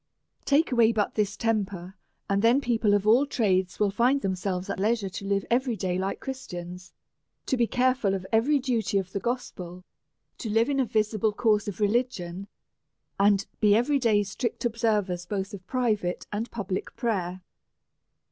Take away but this temper, and then people of all trades will find themselves at leisure to live every day like Christians, to be careful of every duty of the gospel, to live in a visible course of religion, and to be every day strict observers both of private and public prayer.